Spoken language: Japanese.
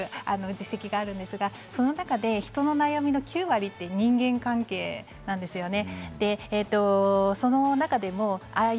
実績があるんですが、その中で人の悩みの９割って人間関係なんですよね。